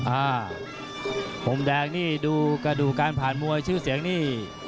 อ่ามุมแดงนี่ดูกระดูกการผ่านมวยชื่อเสียงนี่